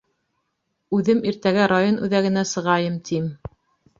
-Үҙем иртәгә район үҙәгенә сығайым тим.